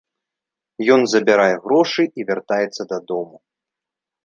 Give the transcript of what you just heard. Ён забярае грошы і вяртаецца дадому.